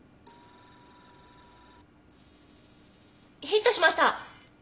ヒットしました！